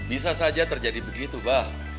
bisa saja terjadi begitu bah